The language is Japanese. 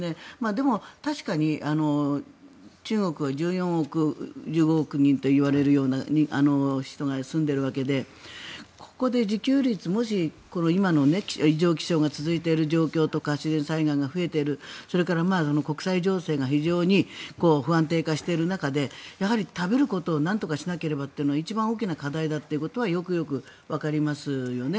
でも、確かに中国は１４億、１５億人といわれるような人が住んでいるわけでここで自給率、もし今の異常気象が続いている状況とか自然災害が増えているそれから国際情勢が非常に不安定化している中でやはり食べることをなんとかしなければということが一番大きな課題だということはよくよくわかりますよね。